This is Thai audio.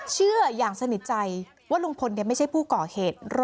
เชื่ออย่างสนิทใจว่าลุงพลไม่ใช่ผู้ก่อเหตุ